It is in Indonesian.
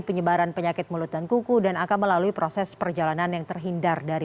penyebaran penyakit mulut dan kuku dan akan melalui proses perjalanan yang terhindar dari